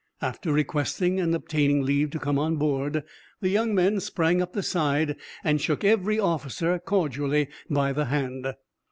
After requesting and obtaining leave to come on board, the young men sprung up the side, and shook every officer cordially by the hand.